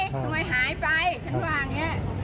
ทำไมหายไปฉันว่าอังเนี้ย